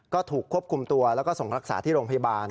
ก็ถูกควบคุมตัวแล้วก็ส่งรักษาที่โรงพยาบาล